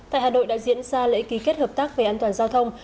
tại hà nội đã diễn ra lễ ký kết hợp tác về an toàn giao thông